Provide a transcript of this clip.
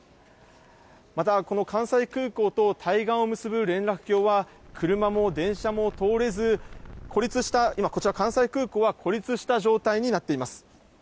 またこの関西空港と対岸を結ぶ連絡橋は、車も電車も通れず、孤立した、今、こちら、関西空港は孤立した状態になっています。